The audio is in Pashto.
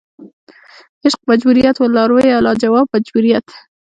عشق مجبوریت وه لارویه لا جواب مجبوریت